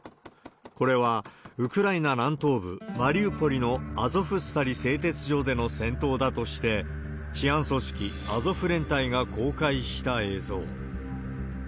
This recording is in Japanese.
これはウクライナ南東部マリウポリのアゾフスタリ製鉄所での戦闘だとして、治安組織、アゾフ連隊が公開した映像。